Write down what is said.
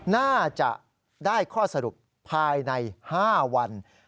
น่าจะได้ข้อสรุปภายใน๕วัน